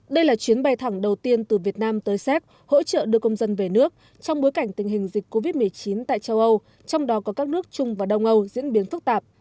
đây là chuyến bay thẳng đầu tiên từ việt nam tới séc hỗ trợ đưa công dân về nước trong bối cảnh tình hình dịch covid một mươi chín tại châu âu trong đó có các nước trung và đông âu diễn biến phức tạp